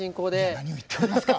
何を言っておりますか。